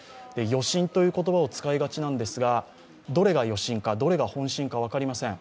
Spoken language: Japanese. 余震という言葉を使いがちなんですが、どれが余震か、どれが本震か分かりません。